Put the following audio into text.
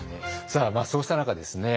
さあそうした中ですね